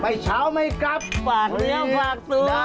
เช้าไม่กลับฝากเนื้อฝากตัว